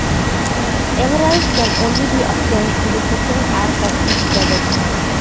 Emeralds can only be obtained in the second act of each level.